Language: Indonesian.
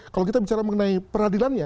kalau kita bicara mengenai peradilannya